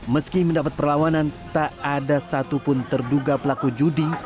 meski mendapat perlawanan tak ada satupun terduga pelaku judi